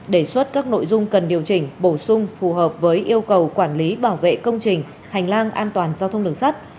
đề xuất các nội dung cần điều chỉnh bổ sung phù hợp với yêu cầu quản lý bảo vệ công trình hành lang an toàn giao thông đường sắt